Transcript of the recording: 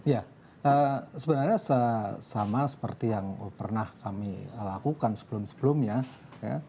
ya sebenarnya sama seperti yang pernah kami lakukan sebelum sebelumnya ya